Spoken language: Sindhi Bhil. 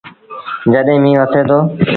جڏهيݩ ميݩهن وسي دو۔